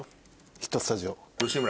『ヒットスタジオ』。